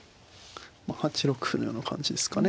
８六歩のような感じですかね。